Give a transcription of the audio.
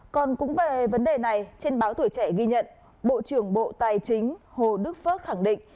còn cũng về vấn đề này trên báo tuổi trẻ ghi nhận bộ trưởng bộ tài chính hồ đức phước khẳng định